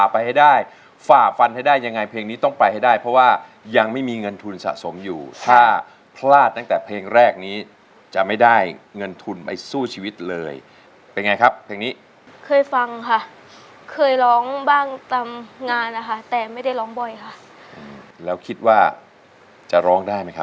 บ้างตามงานนะคะแต่ไม่ได้ร้องบ่อยค่ะอืมแล้วคิดว่าจะร้องได้ไหมค่ะ